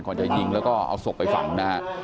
จะยิงแล้วก็เอาศพไปฝังนะฮะ